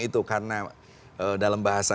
itu karena dalam bahasa